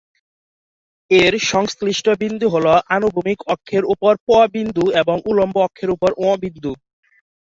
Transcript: এর সংশ্লিষ্ট বিন্দু হলো আনুভূমিক অক্ষের ওপর প-বিন্দু এবং উল্লম্ব অক্ষের ওপর ঙ-বিন্দু।